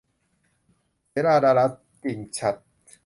เสราดารัล - กิ่งฉัตร